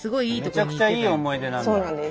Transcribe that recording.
めちゃくちゃいい思い出なんだ。